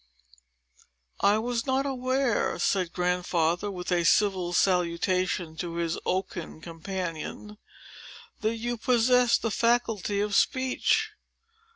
"I was not aware," said Grandfather, with a civil salutation to his oaken companion, "that you possessed the faculty of speech.